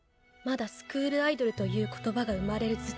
まだスクールアイドルという言葉が生まれる